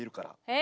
え！